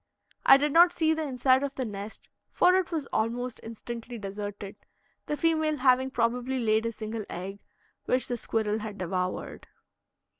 I did not see the inside of the nest, for it was almost instantly deserted, the female having probably laid a single egg, which the squirrel had devoured.